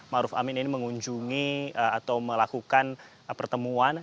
maruf amin ini mengunjungi atau melakukan pertemuan